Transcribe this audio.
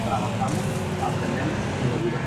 Este tipo sufre más que yo, esto es la desesperación’.